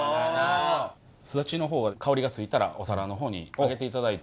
すだちの方は香りがついたらお皿の方に上げて頂いて。